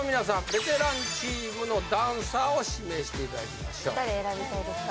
ベテランチームのダンサーを指名していただきましょう・誰選びたいですか？